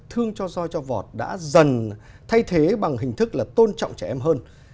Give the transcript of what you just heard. bưng cho roi cho vọt đã dần thay thế bằng hình thức là tôn trọng trẻ em hơn